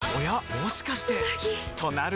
もしかしてうなぎ！